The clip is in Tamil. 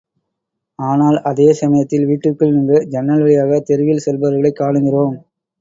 ஆனால் அதே சமயத்தில் வீட்டிற்குள் நின்று ஜன்னல் வழியாக தெருவில் செல்பவர்களைக் காணுகிறோம்.